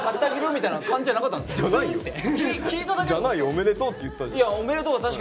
おめでとうって言ったじゃん。